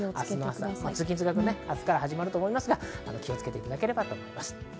通勤・通学など明日から始まると思いますが、気をつけていただきたいと思います。